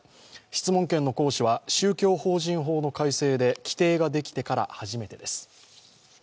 質問権の行使は宗教法人法の改正で規定ができてから初めてです。